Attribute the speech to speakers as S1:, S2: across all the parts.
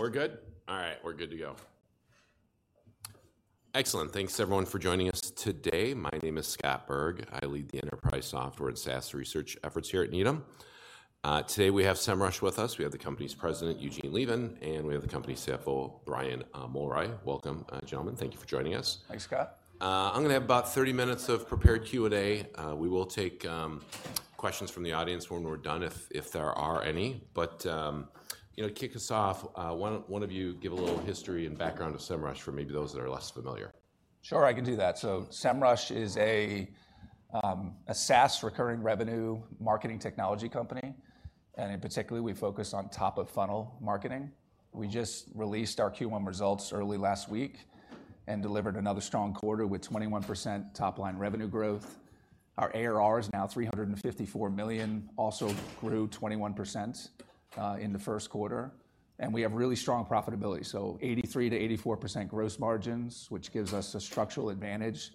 S1: We're good? All right, we're good to go. Excellent. Thanks, everyone, for joining us today. My name is Scott Berg. I lead the enterprise software and SaaS research efforts here at Needham. Today we have Semrush with us. We have the company's president, Eugene Levin, and we have the company's CFO, Brian Mulroy. Welcome, gentlemen. Thank you for joining us.
S2: Thanks, Scott.
S1: I'm going to have about 30 minutes of prepared Q&A. We will take questions from the audience when we're done, if there are any. But to kick us off, one of you give a little history and background of Semrush for maybe those that are less familiar.
S2: Sure, I can do that. So Semrush is a SaaS recurring revenue marketing technology company. And in particular, we focus on top-of-funnel marketing. We just released our Q1 results early last week and delivered another strong quarter with 21% top-line revenue growth. Our ARR is now $354 million, also grew 21% in the first quarter. And we have really strong profitability, so 83%-84% gross margins, which gives us a structural advantage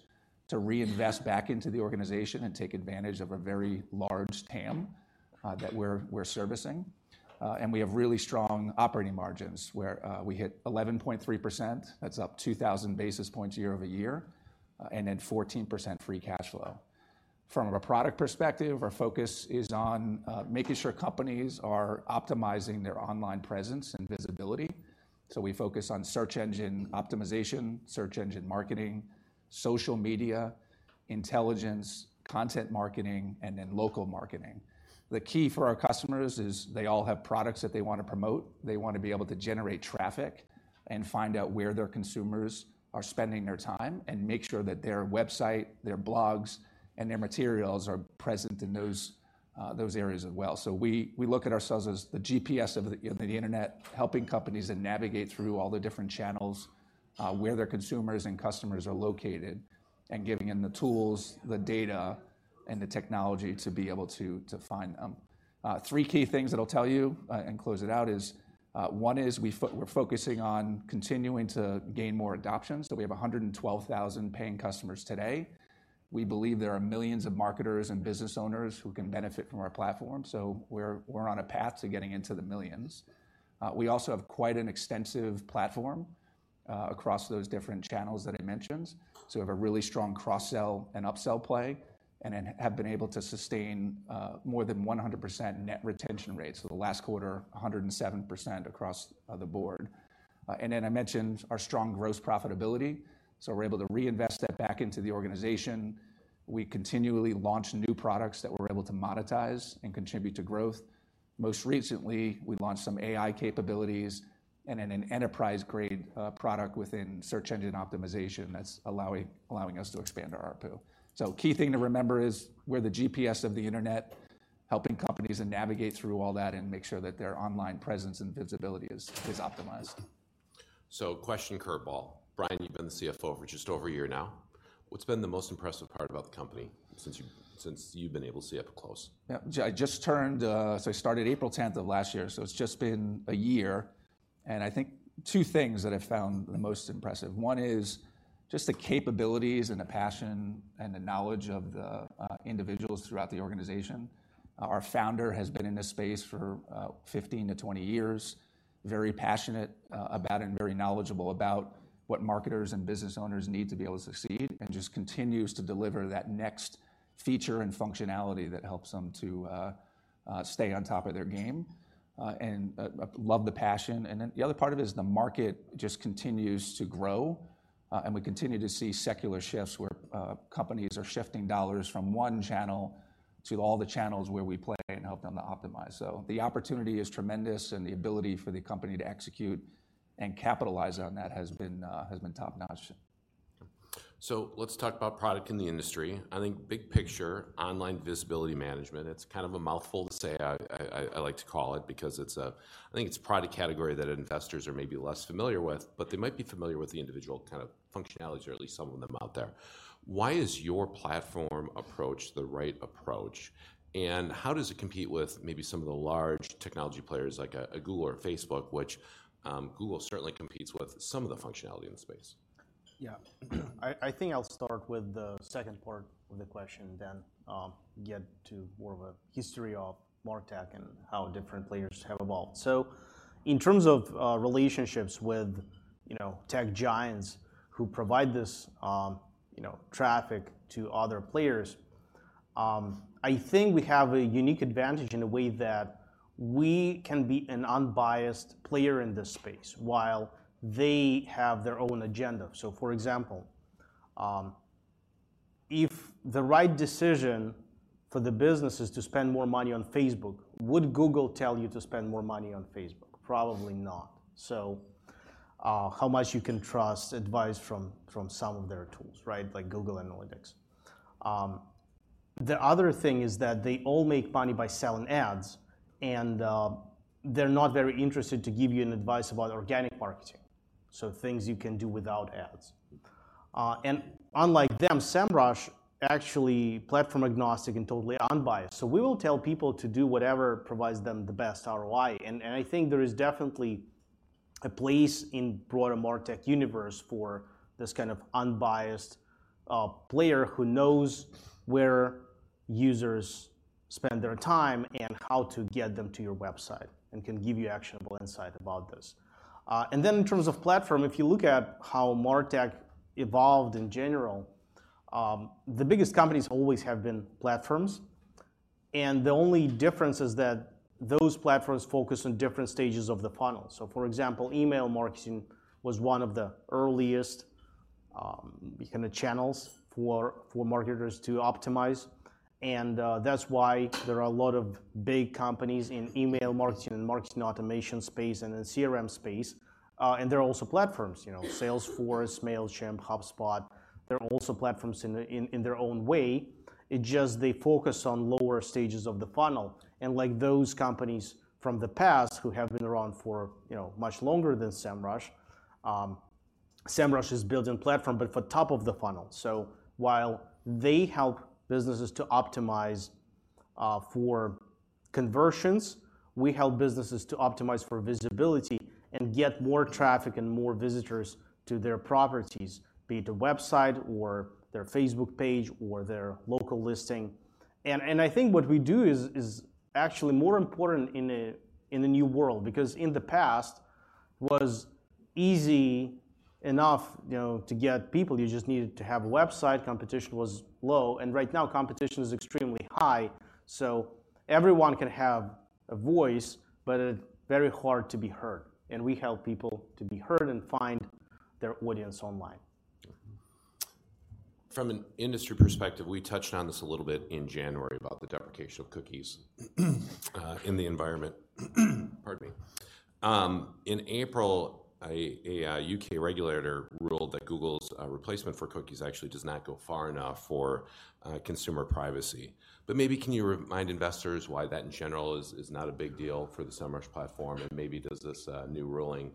S2: to reinvest back into the organization and take advantage of a very large TAM that we're servicing. And we have really strong operating margins, where we hit 11.3%. That's up 2,000 basis points year-over-year, and then 14% free cash flow. From a product perspective, our focus is on making sure companies are optimizing their online presence and visibility. So we focus on search engine optimization, search engine marketing, social media intelligence, content marketing, and then local marketing. The key for our customers is they all have products that they want to promote. They want to be able to generate traffic and find out where their consumers are spending their time and make sure that their website, their blogs, and their materials are present in those areas as well. So we look at ourselves as the GPS of the internet, helping companies navigate through all the different channels, where their consumers and customers are located, and giving them the tools, the data, and the technology to be able to find them. Three key things that I'll tell you and close it out is one is we're focusing on continuing to gain more adoption. So we have 112,000 paying customers today. We believe there are millions of marketers and business owners who can benefit from our platform. So we're on a path to getting into the millions. We also have quite an extensive platform across those different channels that I mentioned. So we have a really strong cross-sell and upsell play and have been able to sustain more than 100% net retention rate. So the last quarter, 107% across the board. And then I mentioned our strong gross profitability. So we're able to reinvest that back into the organization. We continually launch new products that we're able to monetize and contribute to growth. Most recently, we launched some AI capabilities and then an enterprise-grade product within search engine optimization that's allowing us to expand our ARPU. Key thing to remember is we're the GPS of the internet, helping companies navigate through all that and make sure that their online presence and visibility is optimized.
S1: Question curveball. Brian, you've been the CFO for just over a year now. What's been the most impressive part about the company since you've been able to see up close?
S2: Yeah, I just turned one, so I started April 10th of last year. It's just been a year. I think two things that I found the most impressive. One is just the capabilities and the passion and the knowledge of the individuals throughout the organization. Our founder has been in this space for 15-20 years, very passionate about and very knowledgeable about what marketers and business owners need to be able to succeed, and just continues to deliver that next feature and functionality that helps them to stay on top of their game. I love the passion. The other part of it is the market just continues to grow. We continue to see secular shifts where companies are shifting dollars from one channel to all the channels where we play and help them to optimize. So the opportunity is tremendous. The ability for the company to execute and capitalize on that has been top-notch.
S1: So let's talk about product in the industry. I think big picture, online visibility management, it's kind of a mouthful to say, I like to call it, because I think it's a product category that investors are maybe less familiar with. But they might be familiar with the individual kind of functionalities, or at least some of them out there. Why is your platform approach the right approach? And how does it compete with maybe some of the large technology players like Google or Facebook, which Google certainly competes with some of the functionality in the space?
S3: Yeah, I think I'll start with the second part of the question, then get to more of a history of MarTech and how different players have evolved. So in terms of relationships with tech giants who provide this traffic to other players, I think we have a unique advantage in the way that we can be an unbiased player in this space while they have their own agenda. So for example, if the right decision for the business is to spend more money on Facebook, would Google tell you to spend more money on Facebook? Probably not. So how much you can trust advice from some of their tools, like Google Analytics? The other thing is that they all make money by selling ads. And they're not very interested to give you an advice about organic marketing, so things you can do without ads. And unlike them, Semrush actually is platform-agnostic and totally unbiased. So we will tell people to do whatever provides them the best ROI. And I think there is definitely a place in the broader MarTech universe for this kind of unbiased player who knows where users spend their time and how to get them to your website and can give you actionable insight about this. And then in terms of platform, if you look at how MarTech evolved in general, the biggest companies always have been platforms. And the only difference is that those platforms focus on different stages of the funnel. So for example, email marketing was one of the earliest kind of channels for marketers to optimize. And that's why there are a lot of big companies in email marketing and marketing automation space and in the CRM space. And they're also platforms: Salesforce, Mailchimp, HubSpot. They're also platforms in their own way. It's just they focus on lower stages of the funnel. And like those companies from the past who have been around for much longer than Semrush, Semrush is building platform, but for top of the funnel. So while they help businesses to optimize for conversions, we help businesses to optimize for visibility and get more traffic and more visitors to their properties, be it a website or their Facebook page or their local listing. And I think what we do is actually more important in the new world, because in the past, it was easy enough to get people. You just needed to have a website. Competition was low. And right now, competition is extremely high. So everyone can have a voice, but it's very hard to be heard. And we help people to be heard and find their audience online.
S1: From an industry perspective, we touched on this a little bit in January about the deprecation of cookies in the environment. Pardon me. In April, a U.K. regulator ruled that Google's replacement for cookies actually does not go far enough for consumer privacy. But maybe can you remind investors why that, in general, is not a big deal for the Semrush platform? And maybe does this new ruling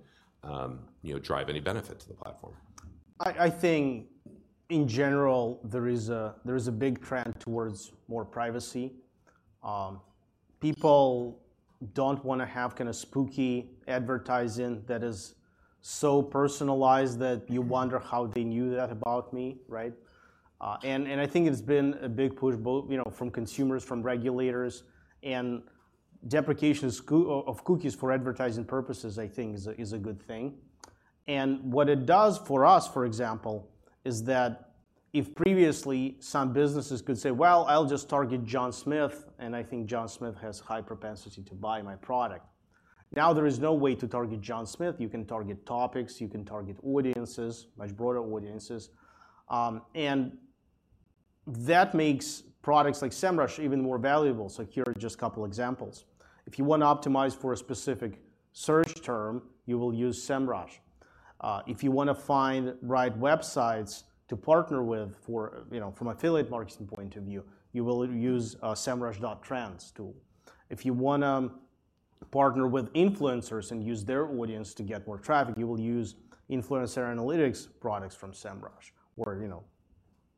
S1: drive any benefit to the platform?
S3: I think, in general, there is a big trend towards more privacy. People don't want to have kind of spooky advertising that is so personalized that you wonder how they knew that about me. And I think it's been a big push from consumers, from regulators. And deprecation of cookies for advertising purposes, I think, is a good thing. And what it does for us, for example, is that if previously some businesses could say, well, I'll just target John Smith, and I think John Smith has high propensity to buy my product, now there is no way to target John Smith. You can target topics. You can target audiences, much broader audiences. And that makes products like Semrush even more valuable. So here are just a couple of examples. If you want to optimize for a specific search term, you will use Semrush. If you want to find the right websites to partner with from an affiliate marketing point of view, you will use Semrush .Trends tool. If you want to partner with influencers and use their audience to get more traffic, you will use Influencer Analytics products from Semrush or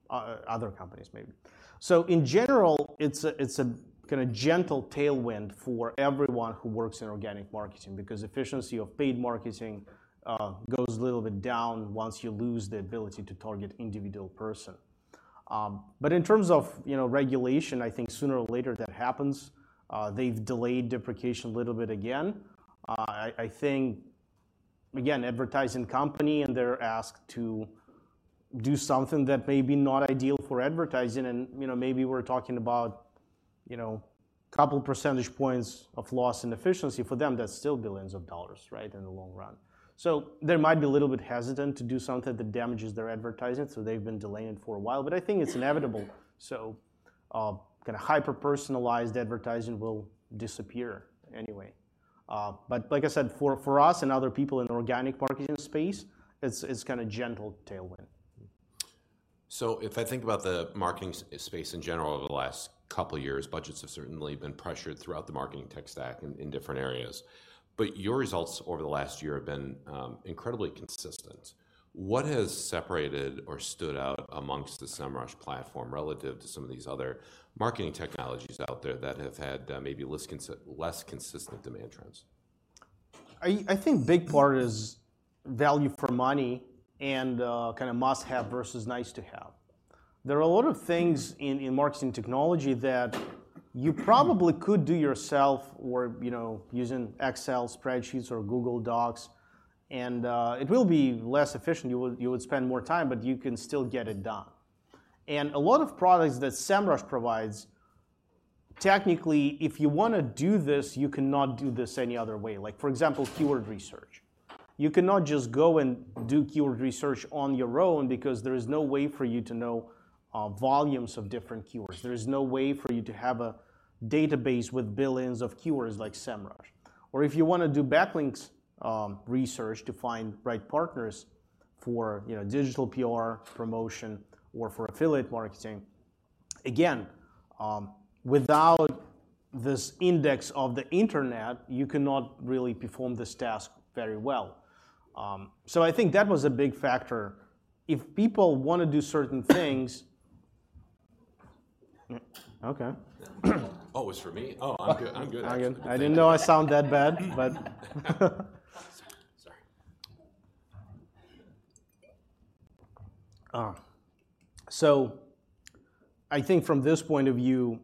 S3: other companies, maybe. So in general, it's a kind of gentle tailwind for everyone who works in organic marketing, because the efficiency of paid marketing goes a little bit down once you lose the ability to target an individual person. But in terms of regulation, I think sooner or later that happens. They've delayed deprecation a little bit again. I think, again, advertising companies and they're asked to do something that may be not ideal for advertising. And maybe we're talking about a couple of percentage points of loss in efficiency. For them, that's still billions of dollars in the long run. So they might be a little bit hesitant to do something that damages their advertising. So they've been delaying it for a while. But I think it's inevitable. So kind of hyper-personalized advertising will disappear anyway. But like I said, for us and other people in the organic marketing space, it's kind of a gentle tailwind.
S1: If I think about the marketing space in general over the last couple of years, budgets have certainly been pressured throughout the marketing tech stack in different areas. Your results over the last year have been incredibly consistent. What has separated or stood out amongst the Semrush platform relative to some of these other marketing technologies out there that have had maybe less consistent demand trends?
S3: I think a big part is value for money and kind of must-have versus nice-to-have. There are a lot of things in marketing technology that you probably could do yourself using Excel spreadsheets or Google Docs. And it will be less efficient. You would spend more time, but you can still get it done. And a lot of products that Semrush provides, technically, if you want to do this, you cannot do this any other way. Like, for example, keyword research. You cannot just go and do keyword research on your own, because there is no way for you to know volumes of different keywords. There is no way for you to have a database with billions of keywords like Semrush. Or if you want to do backlinks research to find the right partners for digital PR, promotion, or for affiliate marketing, again, without this index of the internet, you cannot really perform this task very well. So I think that was a big factor. If people want to do certain things ok.
S1: Oh, it was for me? Oh, I'm good. I'm good.
S2: I didn't know I sounded that bad.
S1: Sorry.
S3: So I think from this point of view,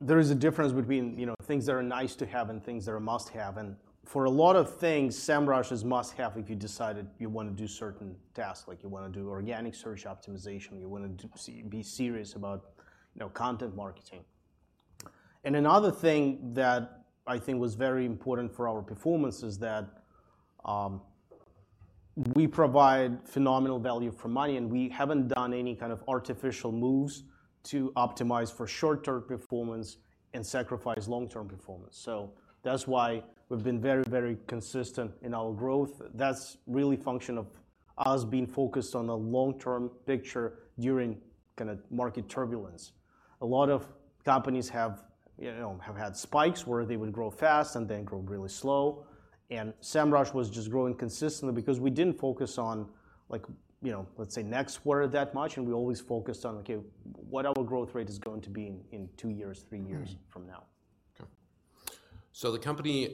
S3: there is a difference between things that are nice-to-have and things that are must-have. And for a lot of things, Semrush is a must-have if you decided you want to do certain tasks, like you want to do organic search optimization, you want to be serious about content marketing. And another thing that I think was very important for our performance is that we provide phenomenal value for money. And we haven't done any kind of artificial moves to optimize for short-term performance and sacrifice long-term performance. So that's why we've been very, very consistent in our growth. That's really a function of us being focused on the long-term picture during kind of market turbulence. A lot of companies have had spikes where they would grow fast and then grow really slow. Semrush was just growing consistently, because we didn't focus on, let's say, next quarter that much. We always focused on, ok, what our growth rate is going to be in two years, three years from now.
S1: The company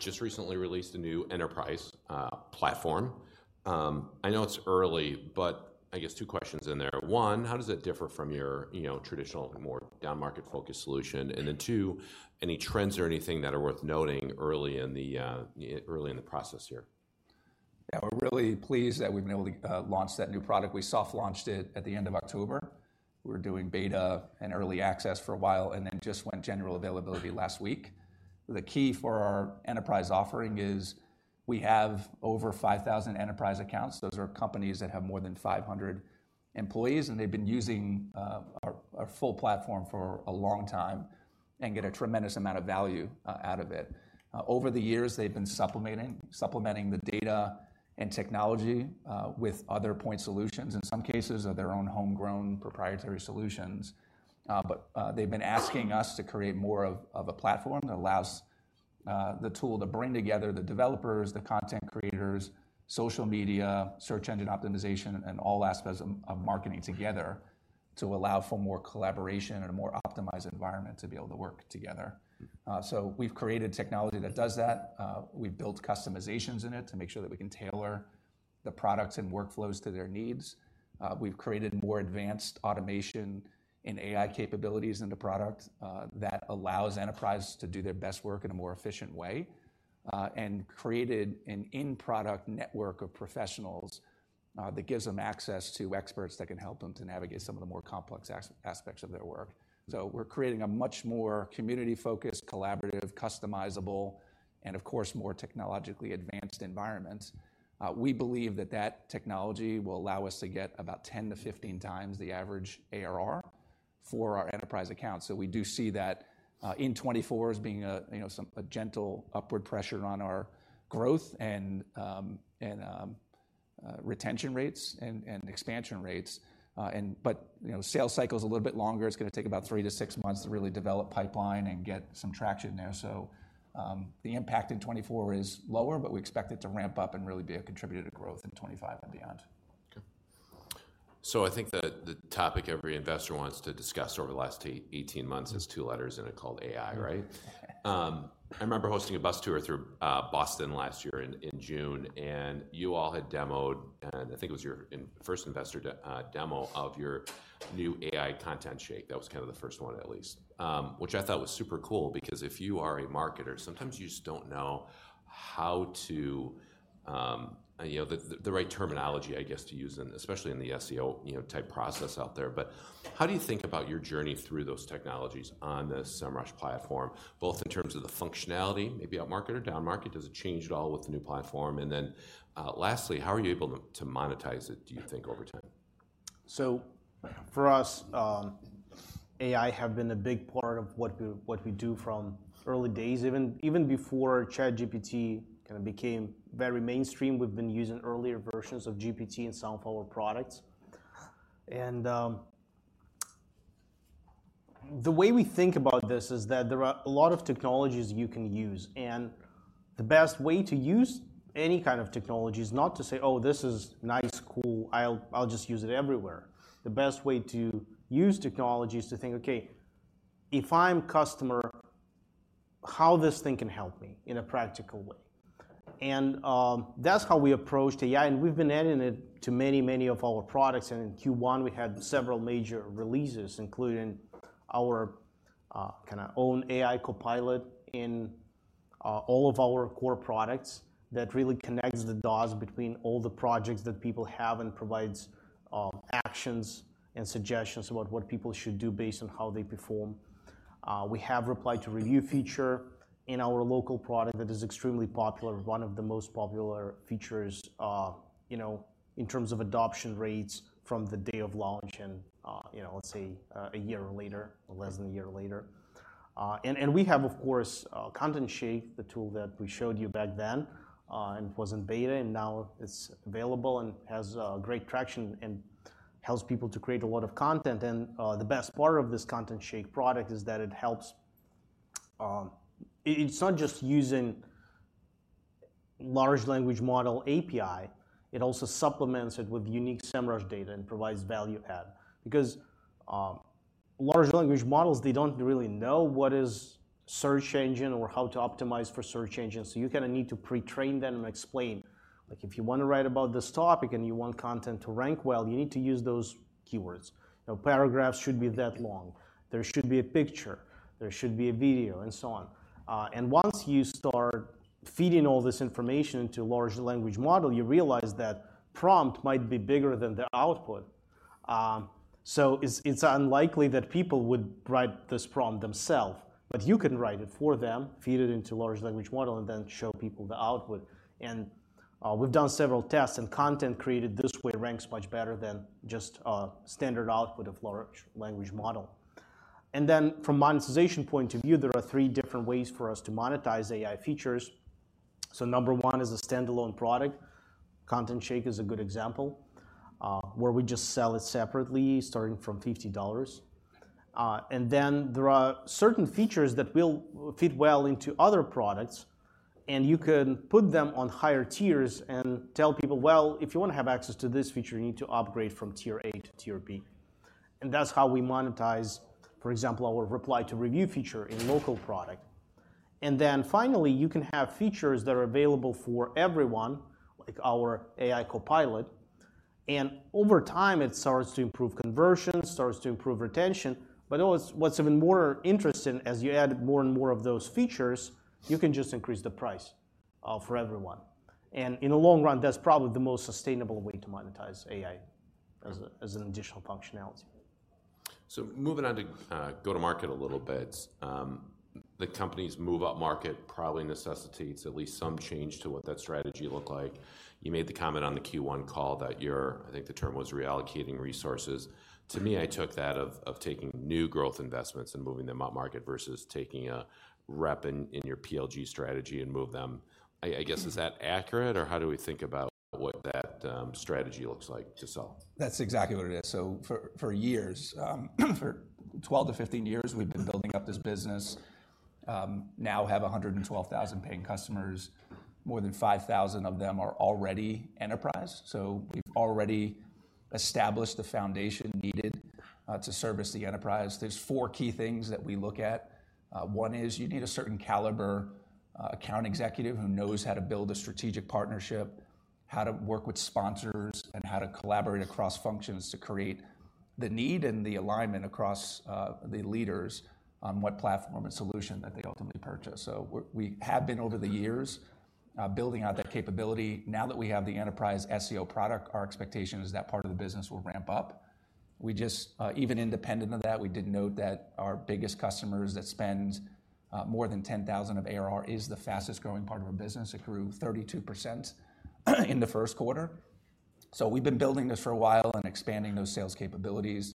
S1: just recently released a new enterprise platform. I know it's early, but I guess two questions in there. One, how does it differ from your traditional, more down-market-focused solution? Then two, any trends or anything that are worth noting early in the process here?
S2: Yeah, we're really pleased that we've been able to launch that new product. We soft-launched it at the end of October. We were doing beta and early access for a while, and then just went general availability last week. The key for our enterprise offering is we have over 5,000 enterprise accounts. Those are companies that have more than 500 employees. They've been using our full platform for a long time and get a tremendous amount of value out of it. Over the years, they've been supplementing the data and technology with other point solutions, in some cases of their own homegrown proprietary solutions. But they've been asking us to create more of a platform that allows the tool to bring together the developers, the content creators, social media, search engine optimization, and all aspects of marketing together to allow for more collaboration and a more optimized environment to be able to work together. So we've created technology that does that. We've built customizations in it to make sure that we can tailor the products and workflows to their needs. We've created more advanced automation and AI capabilities in the product that allows enterprises to do their best work in a more efficient way and created an in-product network of professionals that gives them access to experts that can help them to navigate some of the more complex aspects of their work. So we're creating a much more community-focused, collaborative, customizable, and of course, more technologically advanced environment. We believe that that technology will allow us to get about 10x-15x the average ARR for our enterprise accounts. So we do see that in 2024 as being a gentle upward pressure on our growth and retention rates and expansion rates. But sales cycle is a little bit longer. It's going to take about three to six months to really develop a pipeline and get some traction there. So the impact in 2024 is lower, but we expect it to ramp up and really be a contributor to growth in 2025 and beyond.
S1: So I think the topic every investor wants to discuss over the last 18 months has two letters, and it's called AI. I remember hosting a bus tour through Boston last year in June. And you all had demoed and I think it was your first investor demo of your new AI ContentShake. That was kind of the first one, at least, which I thought was super cool, because if you are a marketer, sometimes you just don't know how to use the right terminology, I guess, to use especially in the SEO-type process out there. But how do you think about your journey through those technologies on the Semrush platform, both in terms of the functionality, maybe up-market or down-market? Does it change at all with the new platform? And then lastly, how are you able to monetize it, do you think, over time?
S3: So for us, AI has been a big part of what we do from early days, even before ChatGPT kind of became very mainstream. We've been using earlier versions of GPT in some of our products. And the way we think about this is that there are a lot of technologies you can use. And the best way to use any kind of technology is not to say, oh, this is nice, cool. I'll just use it everywhere. The best way to use technology is to think, ok, if I'm a customer, how this thing can help me in a practical way? And that's how we approached AI. And we've been adding it to many, many of our products. In Q1, we had several major releases, including our kind of own AI Copilot in all of our core products that really connects the dots between all the projects that people have and provides actions and suggestions about what people should do based on how they perform. We have a reply-to-review feature in our local product that is extremely popular, one of the most popular features in terms of adoption rates from the day of launch and, let's say, a year later or less than a year later. We have, of course, ContentShake, the tool that we showed you back then. And it was in beta. And now it's available and has great traction and helps people to create a lot of content. And the best part of this ContentShake product is that it helps, it's not just using a large language model API. It also supplements it with unique Semrush data and provides value add, because large language models, they don't really know what is a search engine or how to optimize for search engines. So you kind of need to pre-train them and explain, like, if you want to write about this topic and you want content to rank well, you need to use those keywords. Paragraphs should be that long. There should be a picture. There should be a video, and so on. And once you start feeding all this information into a large language model, you realize that prompt might be bigger than the output. So it's unlikely that people would write this prompt themselves. But you can write it for them, feed it into a large language model, and then show people the output. And we've done several tests. Content created this way ranks much better than just a standard output of a large language model. From a monetization point of view, there are three different ways for us to monetize AI features. Number one is a standalone product. ContentShake is a good example, where we just sell it separately, starting from $50. There are certain features that will fit well into other products. You can put them on higher tiers and tell people, well, if you want to have access to this feature, you need to upgrade from tier A to tier B. That's how we monetize, for example, our reply-to-review feature in the local product. Finally, you can have features that are available for everyone, like our AI Copilot. Over time, it starts to improve conversion, starts to improve retention. But what's even more interesting, as you add more and more of those features, you can just increase the price for everyone. And in the long run, that's probably the most sustainable way to monetize AI as an additional functionality.
S1: So moving on to go-to-market a little bit, the company's move upmarket probably necessitates at least some change to what that strategy looked like. You made the comment on the Q1 call that you're, I think the term was, reallocating resources. To me, I took that as taking new growth investments and moving them upmarket versus taking a rep in your PLG strategy and move them. I guess, is that accurate? Or how do we think about what that strategy looks like to sell?
S2: That's exactly what it is. So for years, for 12-15 years, we've been building up this business, now have 112,000 paying customers. More than 5,000 of them are already enterprise. So we've already established the foundation needed to service the enterprise. There's four key things that we look at. One is you need a certain caliber account executive who knows how to build a strategic partnership, how to work with sponsors, and how to collaborate across functions to create the need and the alignment across the leaders on what platform and solution that they ultimately purchase. So we have been, over the years, building out that capability. Now that we have the enterprise SEO product, our expectation is that part of the business will ramp up. Even independent of that, we did note that our biggest customers that spend more than $10,000 of ARR is the fastest growing part of our business. It grew 32% in the first quarter. So we've been building this for a while and expanding those sales capabilities.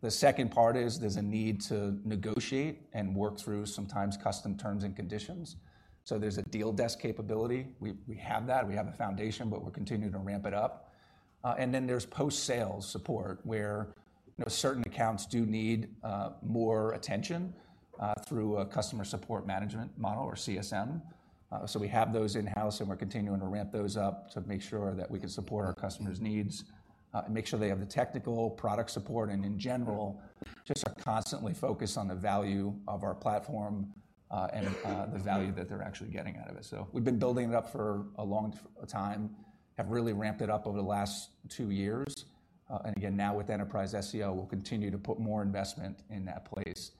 S2: The second part is there's a need to negotiate and work through sometimes custom terms and conditions. So there's a deal desk capability. We have that. We have a foundation, but we're continuing to ramp it up. And then there's post-sales support, where certain accounts do need more attention through a customer success management model or CSM. So we have those in-house. We're continuing to ramp those up to make sure that we can support our customers' needs and make sure they have the technical product support and, in general, just are constantly focused on the value of our platform and the value that they're actually getting out of it. So we've been building it up for a long time, have really ramped it up over the last two years. And again, now with enterprise SEO, we'll continue to put more investment in that place.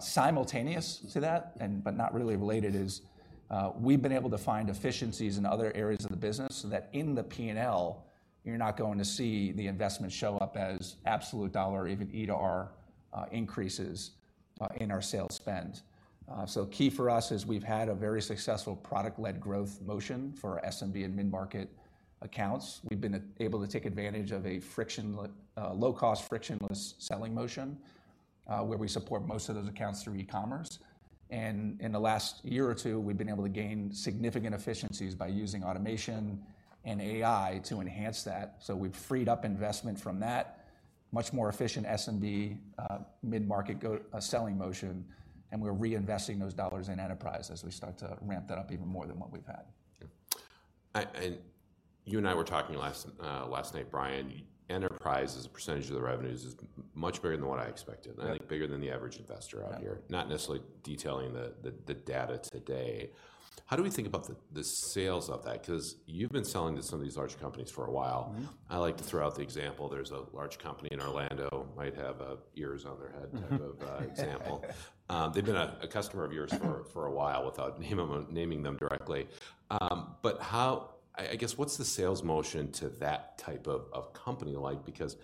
S2: Simultaneous to that, but not really related, is we've been able to find efficiencies in other areas of the business so that in the P&L, you're not going to see the investment show up as absolute dollar or even EDR increases in our sales spend. So key for us is we've had a very successful product-led growth motion for SMB and mid-market accounts. We've been able to take advantage of a low-cost, frictionless selling motion, where we support most of those accounts through e-commerce. In the last year or two, we've been able to gain significant efficiencies by using automation and AI to enhance that. We've freed up investment from that much more efficient SMB mid-market selling motion. We're reinvesting those dollars in enterprise as we start to ramp that up even more than what we've had.
S1: And you and I were talking last night, Brian. Enterprise as a percentage of the revenues is much bigger than what I expected, and I think bigger than the average investor out here, not necessarily detailing the data today. How do we think about the sales of that? Because you've been selling to some of these large companies for a while. I like to throw out the example. There's a large company in Orlando might have ears on their head type of example. They've been a customer of yours for a while without naming them directly. But I guess, what's the sales motion to that type of company like? Because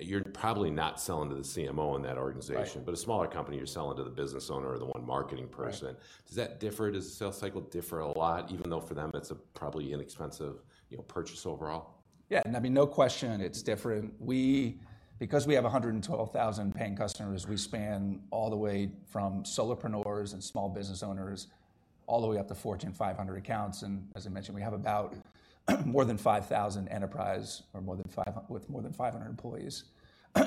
S1: you're probably not selling to the CMO in that organization. But a smaller company, you're selling to the business owner or the one marketing person. Does that differ? Does the sales cycle differ a lot, even though for them it's a probably inexpensive purchase overall?
S2: Yeah. And I mean, no question, it's different. Because we have 112,000 paying customers, we span all the way from solopreneurs and small business owners all the way up to Fortune 500 accounts. And as I mentioned, we have more than 5,000 enterprise with more than 500 employees.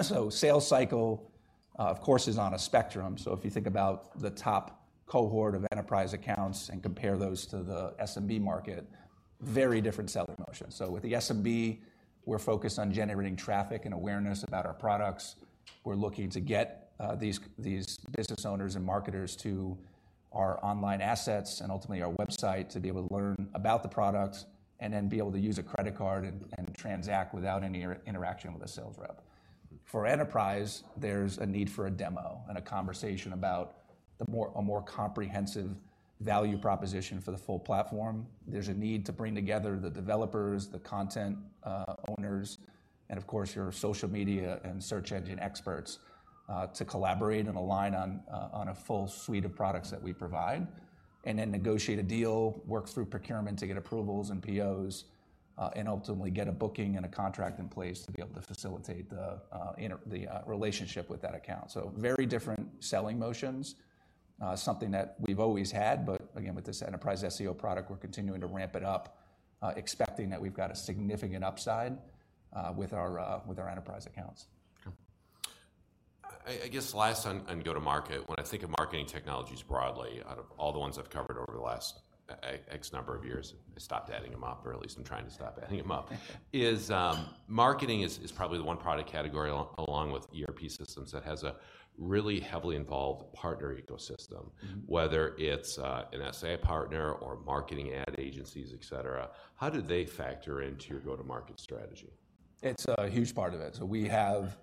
S2: So sales cycle, of course, is on a spectrum. So if you think about the top cohort of enterprise accounts and compare those to the SMB market, very different selling motion. So with the SMB, we're focused on generating traffic and awareness about our products. We're looking to get these business owners and marketers to our online assets and ultimately our website to be able to learn about the product and then be able to use a credit card and transact without any interaction with a sales rep. For enterprise, there's a need for a demo and a conversation about a more comprehensive value proposition for the full platform. There's a need to bring together the developers, the content owners, and of course, your social media and search engine experts to collaborate and align on a full suite of products that we provide and then negotiate a deal, work through procurement to get approvals and POs, and ultimately get a booking and a contract in place to be able to facilitate the relationship with that account. So very different selling motions, something that we've always had. But again, with this enterprise SEO product, we're continuing to ramp it up, expecting that we've got a significant upside with our enterprise accounts.
S1: I guess last on go-to-market, when I think of marketing technologies broadly, out of all the ones I've covered over the last x number of years I stopped adding them up, or at least I'm trying to stop adding them up is marketing is probably the one product category, along with ERP systems, that has a really heavily involved partner ecosystem, whether it's a SaaS partner or marketing and ad agencies, et cetera. How do they factor into your go-to-market strategy?
S2: It's a huge part of it. So we have,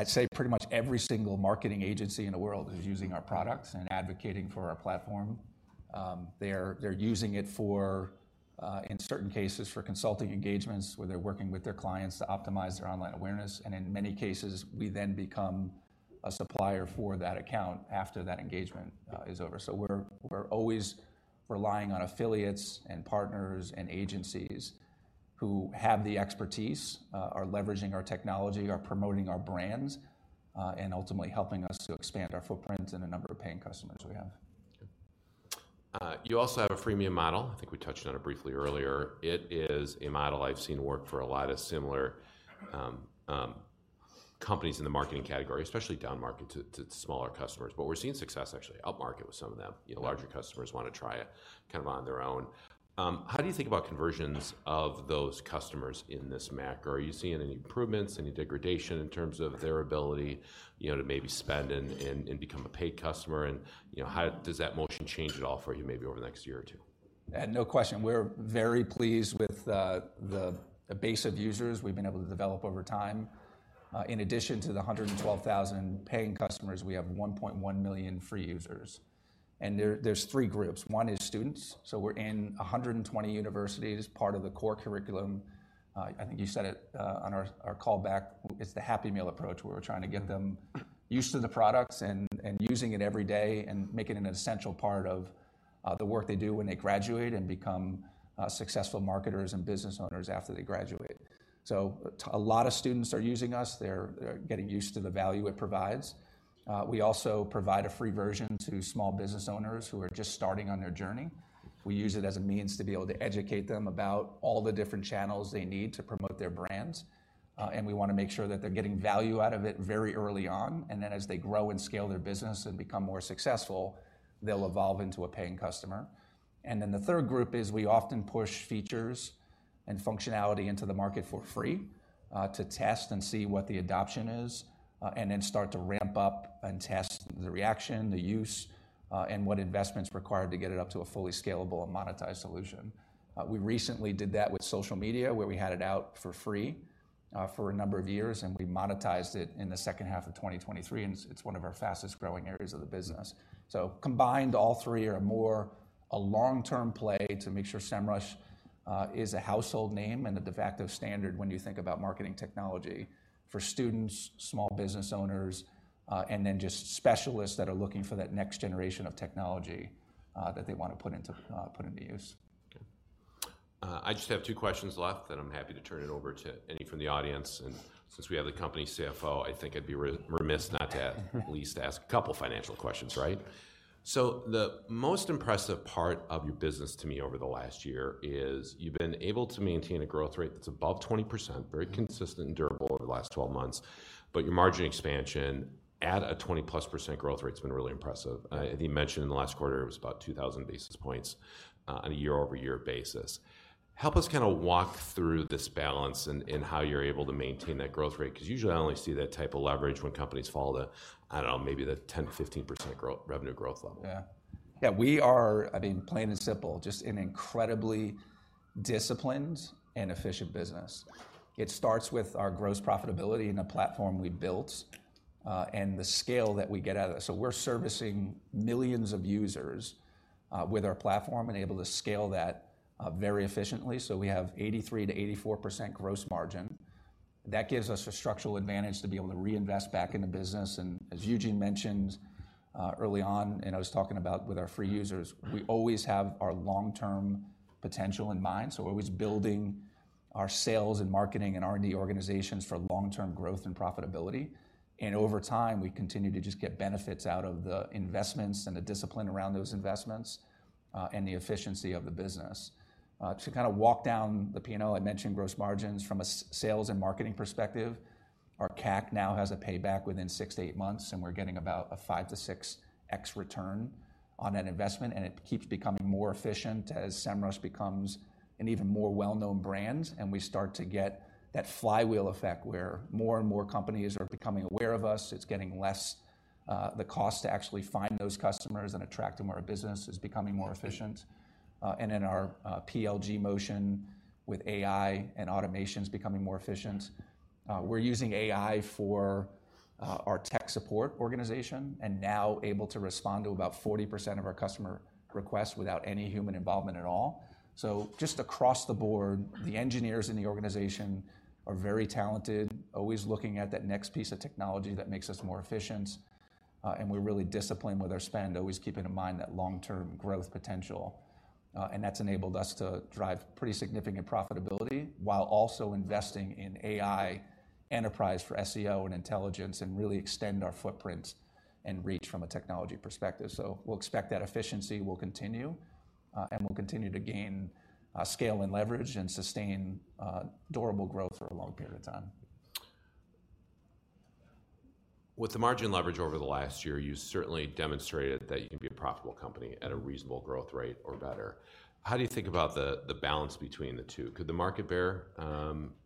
S2: I'd say, pretty much every single marketing agency in the world is using our products and advocating for our platform. They're using it, in certain cases, for consulting engagements where they're working with their clients to optimize their online awareness. And in many cases, we then become a supplier for that account after that engagement is over. So we're always relying on affiliates and partners and agencies who have the expertise, are leveraging our technology, are promoting our brands, and ultimately helping us to expand our footprint and the number of paying customers we have.
S1: You also have a freemium model. I think we touched on it briefly earlier. It is a model I've seen work for a lot of similar companies in the marketing category, especially down market to smaller customers. But we're seeing success, actually, up market with some of them. Larger customers want to try it kind of on their own. How do you think about conversions of those customers in this macro? Are you seeing any improvements, any degradation in terms of their ability to maybe spend and become a paid customer? And how does that motion change at all for you maybe over the next year or two?
S2: No question. We're very pleased with the base of users we've been able to develop over time. In addition to the 112,000 paying customers, we have 1.1 million free users. There's three groups. One is students. We're in 120 universities, part of the core curriculum. I think you said it on our callback. It's the Happy Meal approach where we're trying to get them used to the products and using it every day and making it an essential part of the work they do when they graduate and become successful marketers and business owners after they graduate. A lot of students are using us. They're getting used to the value it provides. We also provide a free version to small business owners who are just starting on their journey. We use it as a means to be able to educate them about all the different channels they need to promote their brands. We want to make sure that they're getting value out of it very early on. Then as they grow and scale their business and become more successful, they'll evolve into a paying customer. Then the third group is we often push features and functionality into the market for free to test and see what the adoption is and then start to ramp up and test the reaction, the use, and what investment's required to get it up to a fully scalable and monetized solution. We recently did that with social media, where we had it out for free for a number of years. We monetized it in the second half of 2023. It's one of our fastest growing areas of the business. Combined, all three or more, a long-term play to make sure Semrush is a household name and a de facto standard when you think about marketing technology for students, small business owners, and then just specialists that are looking for that next generation of technology that they want to put into use.
S1: I just have two questions left. Then I'm happy to turn it over to any from the audience. And since we have the company CFO, I think I'd be remiss not to at least ask a couple of financial questions, right? So the most impressive part of your business to me over the last year is you've been able to maintain a growth rate that's above 20%, very consistent and durable over the last 12 months. But your margin expansion at a 20%+ growth rate's been really impressive. I think you mentioned in the last quarter it was about 2,000 basis points on a year-over-year basis. Help us kind of walk through this balance in how you're able to maintain that growth rate. Because usually, I only see that type of leverage when companies fall to, I don't know, maybe the 10%, 15% revenue growth level.
S2: Yeah. Yeah, we are, I mean, plain and simple, just an incredibly disciplined and efficient business. It starts with our gross profitability and the platform we built and the scale that we get out of it. So we're servicing millions of users with our platform and able to scale that very efficiently. So we have 83%-84% gross margin. That gives us a structural advantage to be able to reinvest back in the business. And as Eugene mentioned early on, and I was talking about with our free users, we always have our long-term potential in mind. So we're always building our sales and marketing and R&D organizations for long-term growth and profitability. And over time, we continue to just get benefits out of the investments and the discipline around those investments and the efficiency of the business. To kind of walk down the P&L, I mentioned gross margins from a sales and marketing perspective. Our CAC now has a payback within 6-8 months. We're getting about a 5x-6x return on that investment. It keeps becoming more efficient as Semrush becomes an even more well-known brand. We start to get that flywheel effect where more and more companies are becoming aware of us. It's getting less the cost to actually find those customers and attract them where our business is becoming more efficient. In our PLG motion with AI and automations becoming more efficient, we're using AI for our tech support organization and now able to respond to about 40% of our customer requests without any human involvement at all. So just across the board, the engineers in the organization are very talented, always looking at that next piece of technology that makes us more efficient. And we're really disciplined with our spend, always keeping in mind that long-term growth potential. And that's enabled us to drive pretty significant profitability while also investing in AI enterprise for SEO and intelligence and really extend our footprint and reach from a technology perspective. So we'll expect that efficiency. We'll continue. And we'll continue to gain, scale, and leverage and sustain durable growth for a long period of time.
S1: With the margin leverage over the last year, you certainly demonstrated that you can be a profitable company at a reasonable growth rate or better. How do you think about the balance between the two? Could the market bear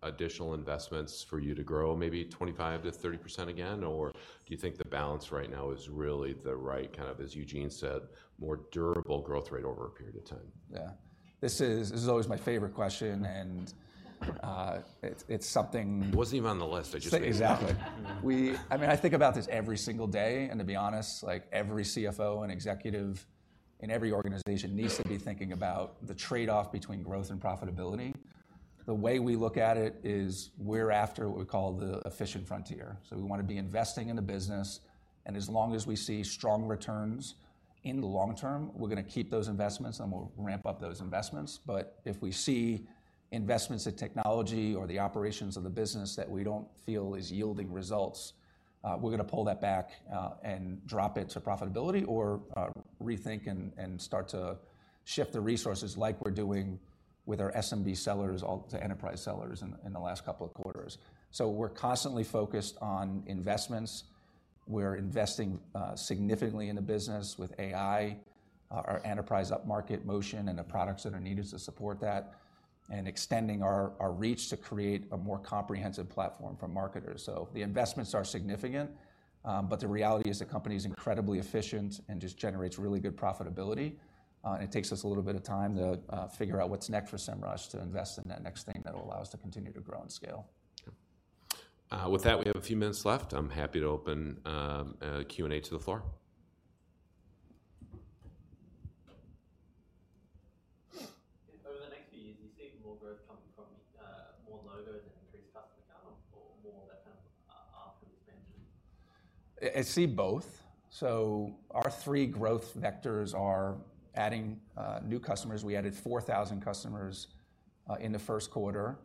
S1: additional investments for you to grow maybe 25%-30% again? Or do you think the balance right now is really the right kind of, as Eugene said, more durable growth rate over a period of time?
S2: Yeah. This is always my favorite question. It's something.
S1: It wasn't even on the list. I just made it.
S2: Exactly. I mean, I think about this every single day. And to be honest, every CFO and executive in every organization needs to be thinking about the trade-off between growth and profitability. The way we look at it is we're after what we call the efficient frontier. So we want to be investing in the business. And as long as we see strong returns in the long term, we're going to keep those investments. And we'll ramp up those investments. But if we see investments in technology or the operations of the business that we don't feel is yielding results, we're going to pull that back and drop it to profitability or rethink and start to shift the resources like we're doing with our SMB sellers to enterprise sellers in the last couple of quarters. So we're constantly focused on investments. We're investing significantly in the business with AI, our enterprise up market motion, and the products that are needed to support that and extending our reach to create a more comprehensive platform for marketers. So the investments are significant. But the reality is the company's incredibly efficient and just generates really good profitability. And it takes us a little bit of time to figure out what's next for Semrush to invest in that next thing that will allow us to continue to grow and scale.
S1: With that, we have a few minutes left. I'm happy to open Q&A to the floor.
S4: Over the next few years, do you see more growth coming from more logos and an increased customer count or more of that kind of uphill expansion?
S2: I see both. So our three growth vectors are adding new customers. We added 4,000 customers in the first quarter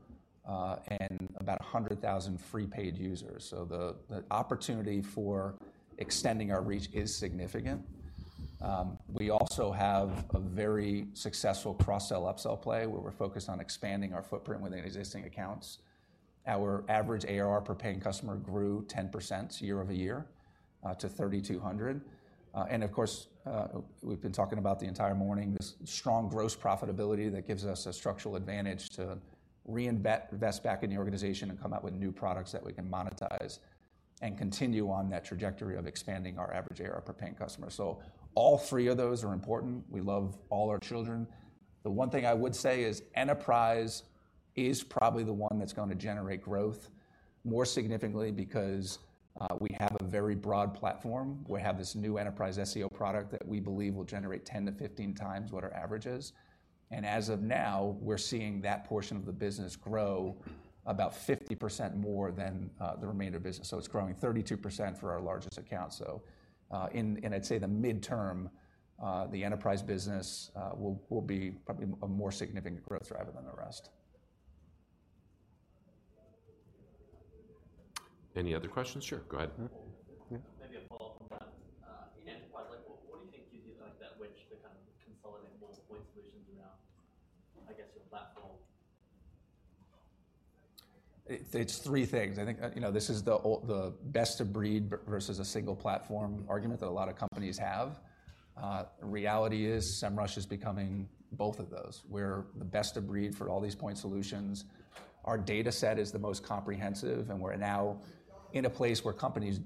S2: and about 100,000 free paid users. So the opportunity for extending our reach is significant. We also have a very successful cross-sell upsell play where we're focused on expanding our footprint within existing accounts. Our average ARR per paying customer grew 10% year-over-year to $3,200. And of course, we've been talking about the entire morning, this strong gross profitability that gives us a structural advantage to reinvest back in the organization and come out with new products that we can monetize and continue on that trajectory of expanding our average ARR per paying customer. So all three of those are important. We love all our children. The one thing I would say is enterprise is probably the one that's going to generate growth more significantly because we have a very broad platform. We have this new enterprise SEO product that we believe will generate 10x-15x what our average is. As of now, we're seeing that portion of the business grow about 50% more than the remainder of business. It's growing 32% for our largest account. In, I'd say, the midterm, the enterprise business will be probably a more significant growth driver than the rest.
S1: Any other questions? Sure. Go ahead.
S4: Maybe a follow-up from that. In enterprise, what do you think gives you that which to kind of consolidate more point solutions around, I guess, your platform?
S2: It's three things. I think this is the best of breed versus a single platform argument that a lot of companies have. Reality is Semrush is becoming both of those. We're the best of breed for all these point solutions. Our data set is the most comprehensive. And we're now in a place where companies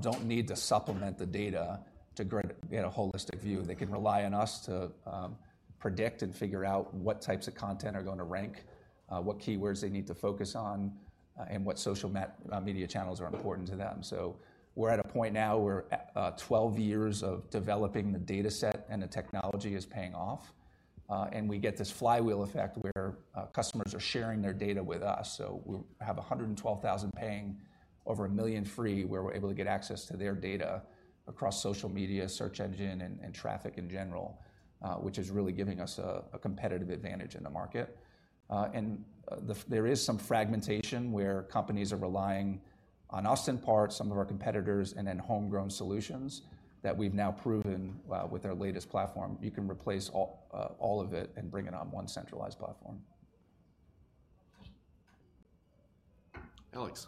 S2: don't need to supplement the data to get a holistic view. They can rely on us to predict and figure out what types of content are going to rank, what keywords they need to focus on, and what social media channels are important to them. So we're at a point now where 12 years of developing the data set and the technology is paying off. And we get this flywheel effect where customers are sharing their data with us. We have 112,000 paying, over 1 million free, where we're able to get access to their data across social media, search engine, and traffic in general, which is really giving us a competitive advantage in the market. There is some fragmentation where companies are relying on Ahrefs, some of our competitors, and then homegrown solutions that we've now proven with our latest platform. You can replace all of it and bring it on one centralized platform.
S1: Alex.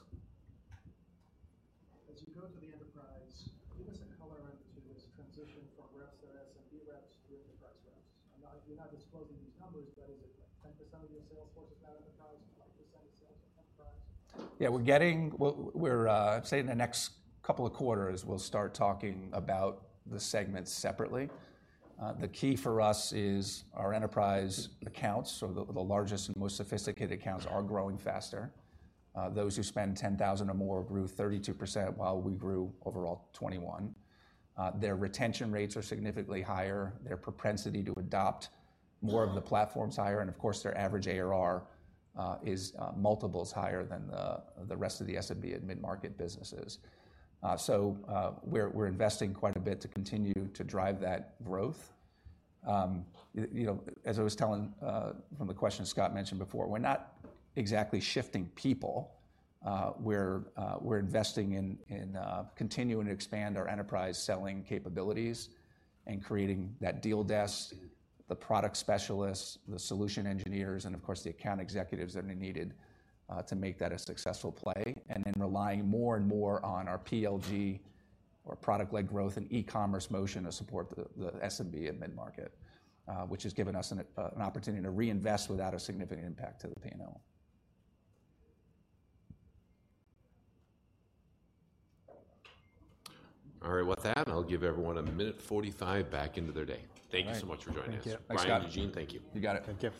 S5: As you go to the enterprise, give us a color in to this transition from reps that are SMB reps to enterprise reps. You're not disclosing these numbers.
S2: Yeah. I'd say in the next couple of quarters, we'll start talking about the segments separately. The key for us is our enterprise accounts. So the largest and most sophisticated accounts are growing faster. Those who spend 10,000 or more grew 32% while we grew overall 21%. Their retention rates are significantly higher. Their propensity to adopt more of the platform's higher. And of course, their average ARR is multiples higher than the rest of the SMB and mid-market businesses. So we're investing quite a bit to continue to drive that growth. As I was telling from the question Scott mentioned before, we're not exactly shifting people. We're investing in continuing to expand our enterprise selling capabilities and creating that deal desk, the product specialists, the solution engineers, and of course, the account executives that are needed to make that a successful play and then relying more and more on our PLG or product-led growth and e-commerce motion to support the SMB and mid-market, which has given us an opportunity to reinvest without a significant impact to the P&L.
S1: All right. With that, I'll give everyone a minute 45 back into their day. Thank you so much for joining us. Brian, Eugene, thank you.
S2: You got it. Thank you.